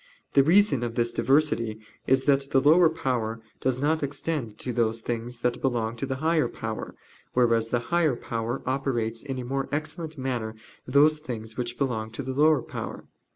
The reason of this diversity is that the lower power does not extend to those things that belong to the higher power; whereas the higher power operates in a more excellent manner those things which belong to the lower power.